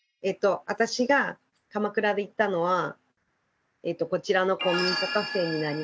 私が鎌倉で行ったのはこちらの古民家カフェになります。